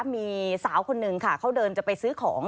มีสาวคนนึงค่ะเขาเดินจะไปซื้อของ